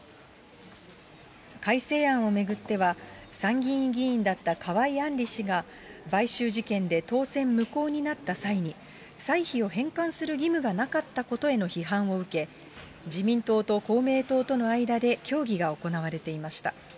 改正案を巡っては、参議院議員だった河井案里氏が、買収事件で当選無効になった際に、歳費を返還する義務がなかったことへの批判を受け、自民党と公明党との間で協議が行われていました。